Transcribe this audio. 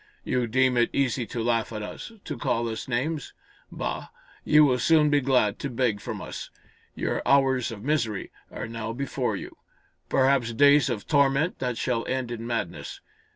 You deem it easy to laugh at us to call us names! Bah! You will soon be glad to beg from us! Your hours of misery are now before you perhaps days of torment that shall end in madness.